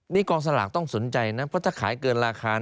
นี่กองสลากต้องสนใจนะเพราะถ้าขายเกินราคา